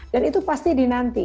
dan itu pasti dinanti